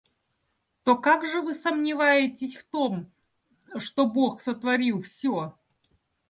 То как же вы сомневаетесь в том, что Бог сотворил всё?